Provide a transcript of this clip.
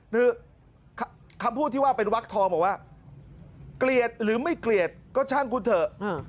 คือคำพูดที่ว่าเป็นวักทองบอกว่าเกลียดหรือไม่เกลียดก็ช่างคุณเถอะ